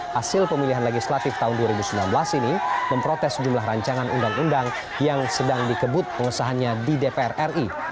hasil pemilihan legislatif tahun dua ribu sembilan belas ini memprotes jumlah rancangan undang undang yang sedang dikebut pengesahannya di dpr ri